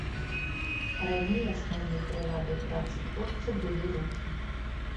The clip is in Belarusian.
Раней асноўнай прыладай працы творца былі рукі.